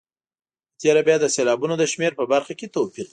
په تېره بیا د سېلابونو د شمېر په برخه کې توپیر لري.